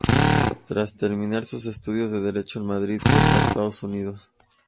Tras terminar sus estudios de Derecho en Madrid, se fue a Estados Unidos.